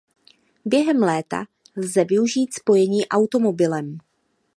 Během léta lze využít spojení automobilem.